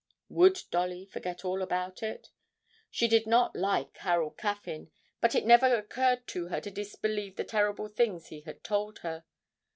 Would Dolly forget all about it? She did not like Harold Caffyn, but it never occurred to her to disbelieve the terrible things he had told her.